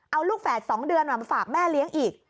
เอาลูกแฝด๒เดือนมาฝากแม่เลี้ยงอีก